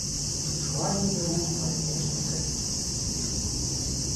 Ускладнены рух па знешнім кальцы.